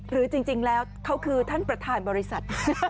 หรือจริงแล้วเขาคือท่านประธานบริษัท